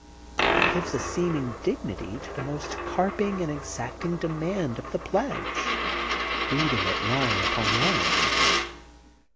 He gives a seeming dignity to the most carping and exacting demand of the pledge, reading it line upon line.